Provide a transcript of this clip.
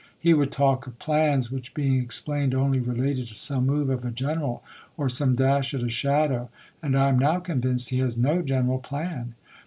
He would talk of plans, which, being ex plained, only related to some move of a general or some dash at a shadow, and I am now convinced he has no general plan.